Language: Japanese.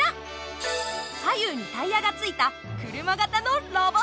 左右にタイヤがついた車型のロボットカー。